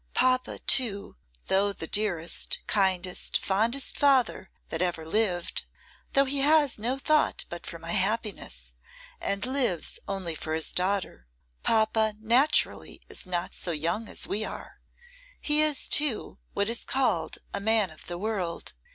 Papa, too, though the dearest, kindest, fondest father that ever lived, though he has no thought but for my happiness and lives only for his daughter, papa naturally is not so young as we are. He is, too, what is called a man of the world.